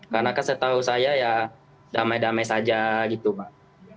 karena kan saya tahu saya ya damai damai saja gitu mbak